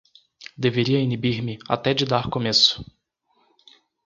deveria inibir-me até de dar começo.